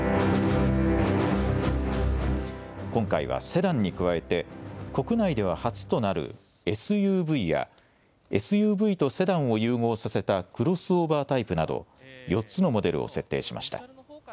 今回はセダンに加えて国内では初となるＳＵＶやＳＵＶとセダンを融合させたクロスオーバータイプなど４つのモデルを設定しました。